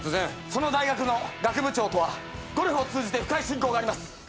その大学の学部長とはゴルフを通じて深い親交があります。